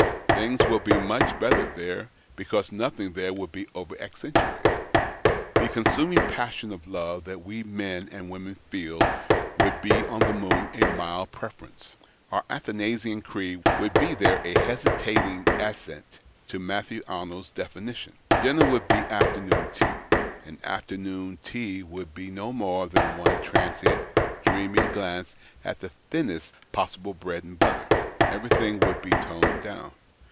Things would be much l^etter there, because nothing there would be over accentuated. The con suming passion of love that we men and women feel would be on the moon a mild preference. Our Athanasian Creed would be there a hesitating assent to Matthew Arnold's definition. Dinner would be afternoon tea, and afternoon tea would ])e no more than one transient, dreamy glance at the thinnest possible bread and butter. Everything would be toned down.